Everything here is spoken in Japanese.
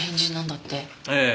ええ。